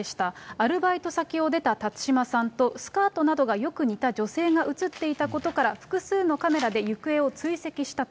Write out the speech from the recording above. アルバイト先を出た辰島さんとスカートなどがよく似た女性が写っていたことから、複数のカメラで行方を追跡したと。